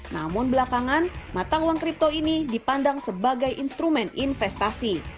namun belakangan mata uang kripto ini dipandang sebagai instrumen investasi